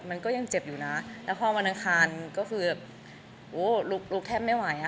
มันก็ยังเจ็บอยู่นะแล้วพอวันอังคารก็คือแบบโอ้ลุกลุกแทบไม่ไหวอ่ะ